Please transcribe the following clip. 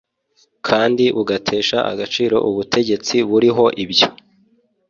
Kandi bugatesha agaciro ubutegetsi buriho ibyo